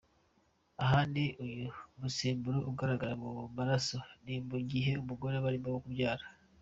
Ahandi uyu musemburo ugaragara mu maraso ni mu gihe abagore barimo kubyara.